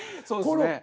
そうですね。